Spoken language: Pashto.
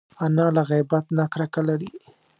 انا له غیبت نه کرکه لري